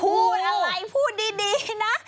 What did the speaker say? พูดอะไรพูดดีนะ